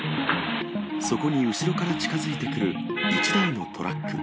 そこに後ろから近づいてくる１台のトラック。